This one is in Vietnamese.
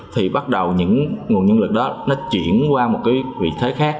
thì bắt đầu những nguồn nhân lực đó nó chuyển qua một cái vị thế khác